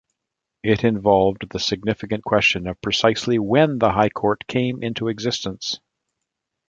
It involved the significant question of precisely when the High Court came into existence.